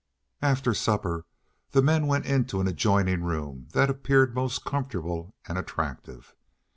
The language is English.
After supper the men went into an adjoining room that appeared most comfortable and attractive.